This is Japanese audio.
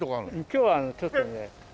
今日はちょっとね。